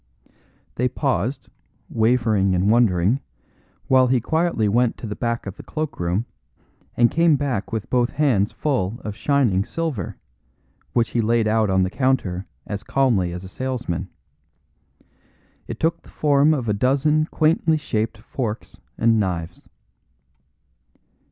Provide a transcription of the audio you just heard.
They paused, wavering and wondering, while he quietly went to the back of the cloak room, and came back with both hands full of shining silver, which he laid out on the counter as calmly as a salesman. It took the form of a dozen quaintly shaped forks and knives.